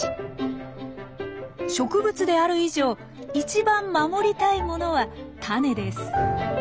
植物である以上いちばん守りたいものはタネです。